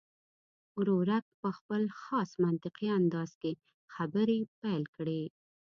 ورورک په خپل خاص منطقي انداز کې خبرې پیل کړې.